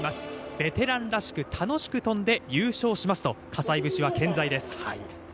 ベテランらしく楽しく飛んで優勝しますと葛西節は健在です。